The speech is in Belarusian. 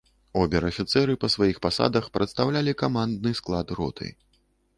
Обер-афіцэры па сваіх пасадах прадстаўлялі камандны склад роты.